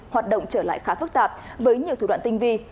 hoạt động trở lại khá phức tạp với nhiều thủ đoạn tinh vi